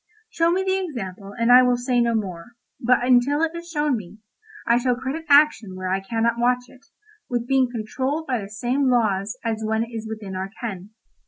Show me the example and I will say no more, but until it is shown me, I shall credit action where I cannot watch it, with being controlled by the same laws as when it is within our ken.